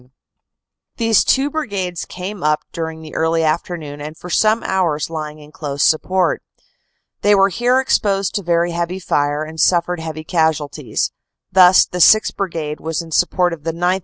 266 CANADA S HUNDRED DAYS These two Brigades came up during the early afternoon and for some hours lying in close support. They were here exposed to very heavy fire, and suffered heavy casualties. Thus the 6th. Brigade was in support of the 9th.